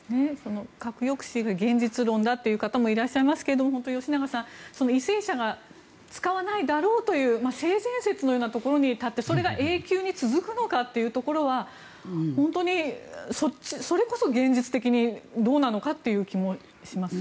核抑止が現実論だという方いらっしゃいますけど吉永さん為政者が使わないだろうという性善説のようなところに立ってそれが永久に続くのかというところは本当に、それこそ現実的にどうなのかという気もします。